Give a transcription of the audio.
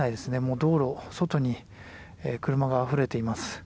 道路、外に車があふれています。